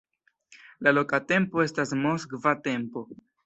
La loka tempo estas moskva tempo.